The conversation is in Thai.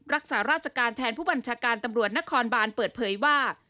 รักษาราชการแทนผู้บัญชาการตำรวจนครบานเปิดเผยว่า